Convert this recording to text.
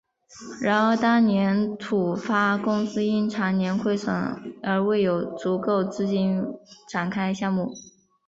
然而当年土发公司因长年亏损而未有足够资金展开项目。